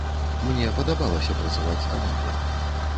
Мне падабалася працаваць з камандай.